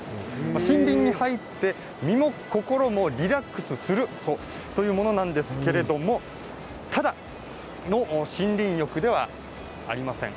森林に入って身も心もリラックスするというものなんですけれどもただの森林浴ではありません。